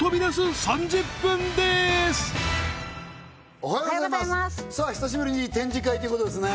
おはようございますさあ久しぶりに展示会ということですね